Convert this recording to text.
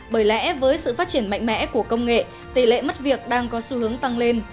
bởi lẽ với sự phát triển mạnh mẽ của công nghệ tỷ lệ mất việc đang có xu hướng tăng lên